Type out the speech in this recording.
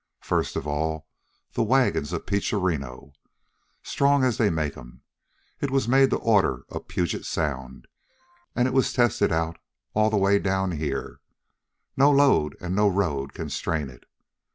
First of all, the wagon's a peacherino. Strong as they make 'em. It was made to order, upon Puget Sound, an' it was tested out all the way down here. No load an' no road can strain it.